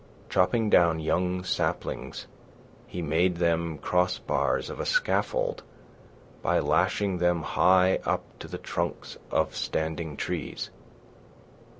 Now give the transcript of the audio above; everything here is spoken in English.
Chopping down young saplings, he made them cross bars of a scaffold by lashing them high up to the trunks of standing trees.